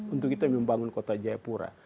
untuk kita membangun kota jayapura